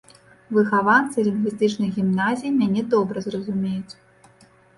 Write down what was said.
Выхаванцы лінгвістычных гімназій мяне добра зразумеюць.